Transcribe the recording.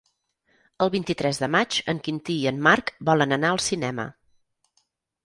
El vint-i-tres de maig en Quintí i en Marc volen anar al cinema.